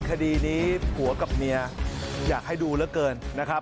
คดีนี้ผัวกับเมียอยากให้ดูเสียนะครับ